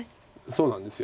そうなんです。